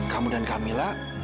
kamu dan kamila